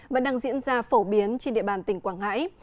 vẫn đang diễn ra phổ biến trên địa bàn tỉnh quảng ngãi